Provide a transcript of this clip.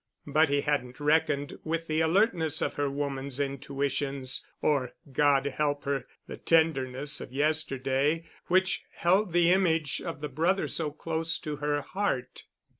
But he hadn't reckoned with the alertness of her woman's intuitions, or—God help her—the tenderness of yesterday, which held the image of the brother so close to her heart.